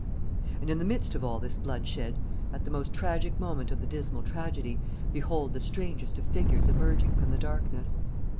And, in the midst of all this bloodshed, at the most tragic moment of the dismal tragedy, behold the strangest of figures emerging from the darkness!